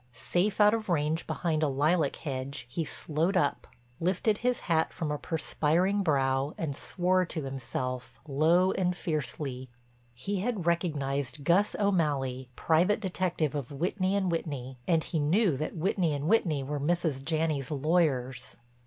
Safe out of range behind a lilac hedge, he slowed up, lifted his hat from a perspiring brow and swore to himself, low and fiercely. He had recognized Gus O'Malley, private detective of Whitney & Whitney, and he knew that Whitney & Whitney were Mrs. Janney's lawyers.